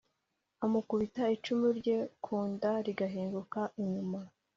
amukubita icumu rye ku nda rigahinguka inyuma.